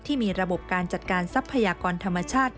ที่มีระบบการจัดการทรัพยากรธรรมชาติ